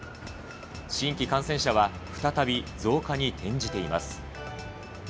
新規感染者は再び増加に転じています。